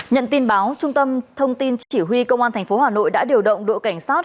nhận tin báo trung tâm thông tin chỉ huy công an tp hà nội đã điều động đội cảnh sát